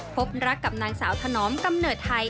พบรักกับนางสาวถนอมกำเนิดไทย